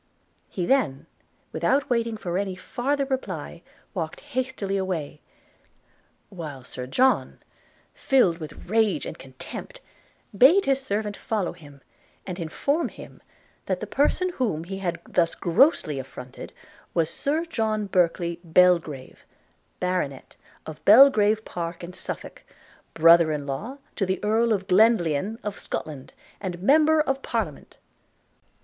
He then, without waiting for any farther reply, walked hastily away; while Sir John, filled with rage and contempt, bade his servant follow him, and inform him that the person whom he had thus grossly affronted was Sir John Berkely Belgrave, baronet, of Belgrave Park in Suffolk, brother in law to the Earl of Glenlyon of Scotland, and member of parliament.